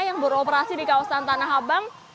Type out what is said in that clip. yang beroperasi di kawasan tanah abang